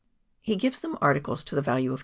He gives them articles to the value of 21.